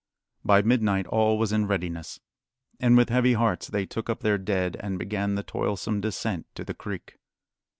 By midnight all was in readiness, and with heavy hearts they took up their dead and began the toilsome descent to the creek.